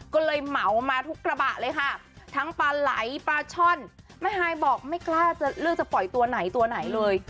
ก็เลยเหมามาทุกกระบะเลยค่ะทั้งปลาไหลปลาช่อนแม่ฮายบอกไม่กล้าจะเลือกจะปล่อยตัวไหนตัวไหนเลย